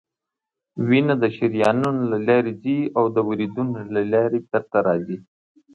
وینه د شریانونو له لارې ځي او د وریدونو له لارې بیرته راځي